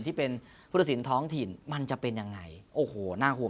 ที่เป็นผู้ทศิลป์ท้องถิ่นมันจะเป็นยังไงโอ้โหน่าโอ้มากนะครับ